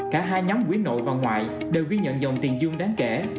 cả hai nhóm quỹ nội và ngoại đều ghi nhận dòng tiền dương đáng kể